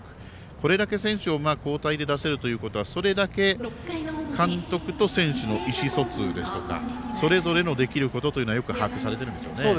これだけ選手を交代で出せるのはそれだけ監督と選手の意思疎通ですとかそれぞれのできることというのはよく把握されてるんでしょうね。